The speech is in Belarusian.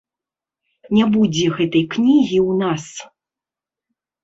Не будзе гэтай кнігі ў нас.